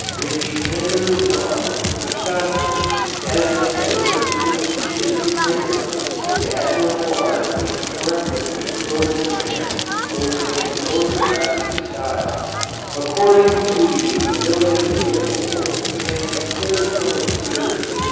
Which Andrew Myllar, a Scotsman, has been solicitous should be printed, with admirable art and corrected with diligent care, both in orthographic style, according to the ability available, and cleared from obscurity.